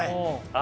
あ